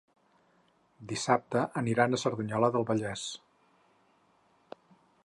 Dissabte aniran a Cerdanyola del Vallès.